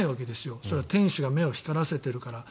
それは店主が目を光らせているから。